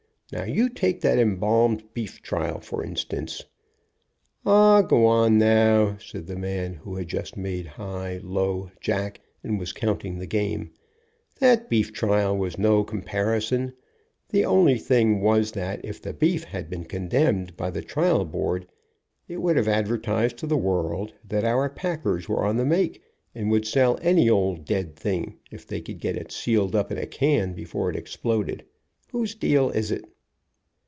Now you take that embalmed beef trial, for instance." "O, gwan now," said the man who had just made high, low, Jack and was counting the game. "That beef trial was no comparison. The only thing was that if the beef had been condemned, by the trial board, it would have advertised to the world that our packers were on the make, and would sell any old dead thing, if they could get it sealed up in a can before it exploded. Whose deal is it?"